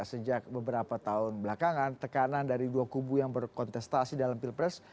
sejak beberapa tahun belakangan tekanan dari dua kubu yang berkontestasi dalam pilpres